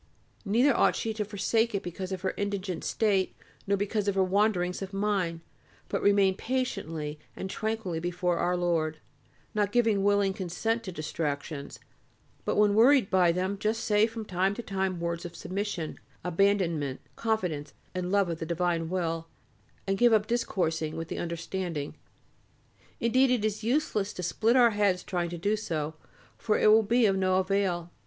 Neither ought she to forsake it because of her indigent state nor because of her wanderings of mind, but remain patiently and tranquilly before Our Lord, not giving willing consent to distractions, but when worried by them just say from time to time words of submission, abandonment, confidence, and love of the divine will, and give up discoursing with the understanding; indeed it is useless to split our heads trying to do so, for it will be of no avail.